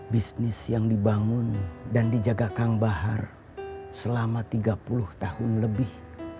bisnis yang dibangun dan dijaga kang bahar selama tiga puluh tahun lebih